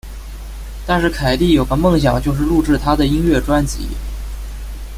但是凯蒂有个梦想就是录制她的音乐专辑。